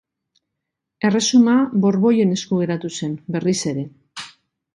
Erresuma borboien esku geratu zen, berriz ere.